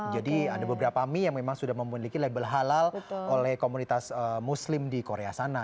ada beberapa mie yang memang sudah memiliki label halal oleh komunitas muslim di korea sana